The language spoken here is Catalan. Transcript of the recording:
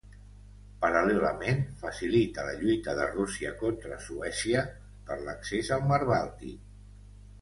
Paral·lelament facilita la lluita de Rússia contra Suècia per l'accés al Mar Bàltic.